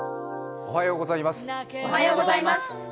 おはようございます。